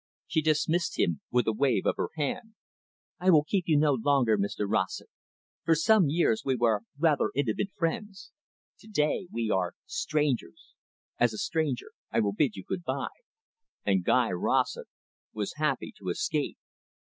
She dismissed him with a wave of her hand. "I will keep you no longer, Mr Rossett. For some years we were rather intimate friends. To day we are strangers. As a stranger, I will bid you good bye." And Guy Rossett was happy to escape.